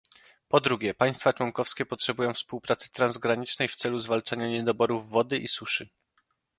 Po drugie, państwa członkowskie potrzebują współpracy transgranicznej w celu zwalczania niedoborów wody i suszy